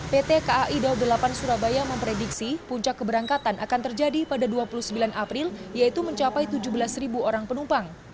pt kai dua puluh delapan surabaya memprediksi puncak keberangkatan akan terjadi pada dua puluh sembilan april yaitu mencapai tujuh belas orang penumpang